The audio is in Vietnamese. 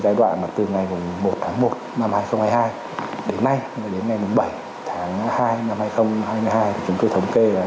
giai đoạn mà từ ngày một tháng một năm hai nghìn hai mươi hai đến nay đến ngày bảy tháng hai năm hai nghìn hai mươi hai thì chúng tôi thống kê